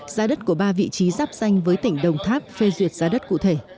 ra đất của ba vị trí giáp danh với tỉnh đồng tháp phê duyệt ra đất cụ thể